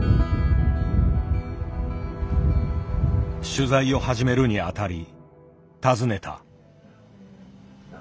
取材を始めるにあたり尋ねた。